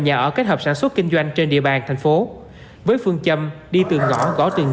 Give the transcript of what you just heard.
nhà ở kết hợp sản xuất kinh doanh trên địa bàn thành phố với phương châm đi từ ngõ gõ từng